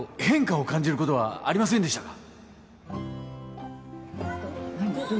変化を感じることはありませんでしたか？